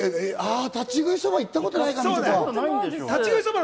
立ち食いそば、行ったことないんだ。